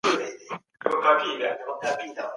کتابونه بايد ارزانه وي.